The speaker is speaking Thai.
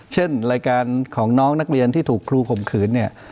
เช่นรายการของน้องนักเรียนที่ถูกครูข่มขืนเนี่ย